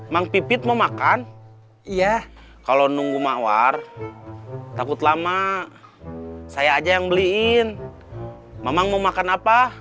mang pipit mau makan iya kalau nunggu mawar takut lama saya aja yang beliin mama mau makan apa